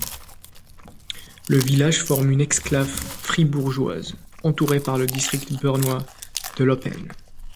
Le village forme une exclave fribourgeoise, entourée par le district bernois de Laupen.